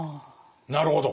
なるほど。